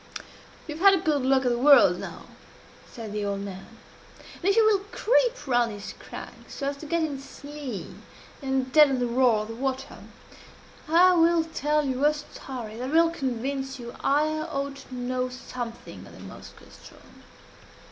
"You have had a good look at the whirl now," said the old man, "and if you will creep round this crag, so as to get in its lee, and deaden the roar of the water, I will tell you a story that will convince you I ought to know something of the Moskoe ström."